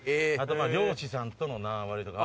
漁師さんとのなわばりとか。